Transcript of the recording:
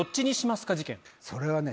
それはね